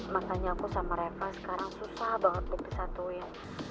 makanya aku sama mereka sekarang susah banget untuk disatuin